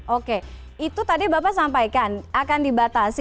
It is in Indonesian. oke itu tadi bapak sampaikan akan dibatasi